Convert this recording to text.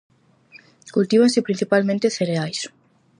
Cultívanse principalmente cereais.